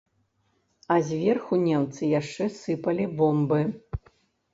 А зверху немцы яшчэ сыпалі бомбы.